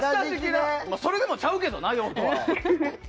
それでもちゃうけどな用途は！